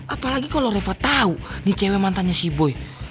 apalagi kalo reva tau nih cewek mantannya si boy